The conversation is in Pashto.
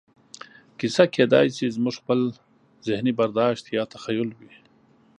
کیسه کېدای شي زموږ خپل ذهني برداشت یا تخیل وي.